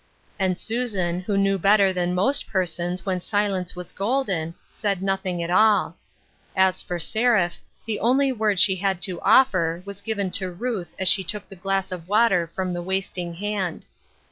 And Susan, who knew better than most persons when silence was golden, said noth ing at all. As for Seraph, the only word she had to offer, was given to Ruth as she took the glass of water from the wasting hand.